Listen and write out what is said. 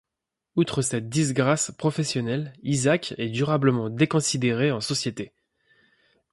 Outre cette disgrâce professionnelle, Isaac est durablement déconsidéré en société.